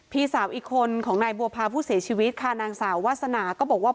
พี่สาวอีกคนของนายบัวพาผู้เสียชีวิตค่ะนางสาววาสนาก็บอกว่า